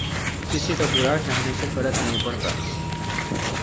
کســـی کے برا چاہنے سے فرق نہیں پڑتا